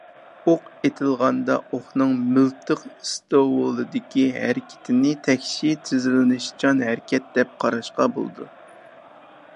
ئوق ئېتىلغاندا، ئوقنىڭ مىلتىق ئىستوۋۇلىدىكى ھەرىكىتىنى تەكشى تېزلىنىشچان ھەرىكەت دەپ قاراشقا بولىدۇ.